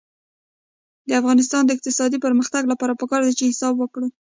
د افغانستان د اقتصادي پرمختګ لپاره پکار ده چې حساب وکړو.